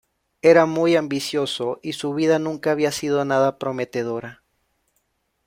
Era muy ambicioso, y su vida nunca había sido nada prometedora.